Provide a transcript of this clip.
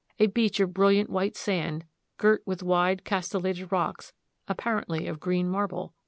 A beach of brilliant white sand, girt with wild castellated rocks, apparently of green marble."